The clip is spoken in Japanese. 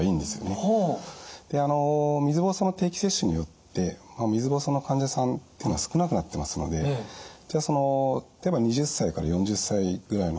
で水ぼうそうの定期接種によって水ぼうそうの患者さんっていうのは少なくなってますので例えば２０歳から４０歳ぐらいの子育て世代ですね。